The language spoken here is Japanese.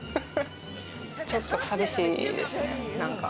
ちょっと寂しいですね、なんか。